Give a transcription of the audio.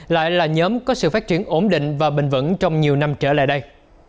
lại là nhóm có sự phát triển ổn định và bình vẩn trong nhiều năm trở lại đây